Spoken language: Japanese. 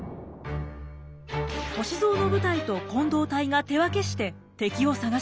歳三の部隊と近藤隊が手分けして敵を探します。